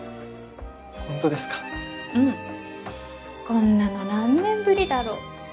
こんなの何年ぶりだろう。